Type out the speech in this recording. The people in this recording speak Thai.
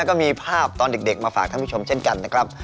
ก็มีภาพตอนเด็กมาฝากท่านผู้ชมเช่นกันนะครับ